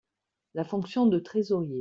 La fonction de trésorier.